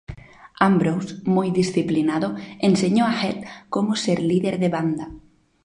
Ambrose, muy disciplinado, enseñó a Heath cómo ser líder de banda.